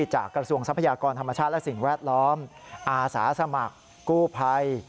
กระทรวงทรัพยากรธรรมชาติและสิ่งแวดล้อมอาสาสมัครกู้ภัย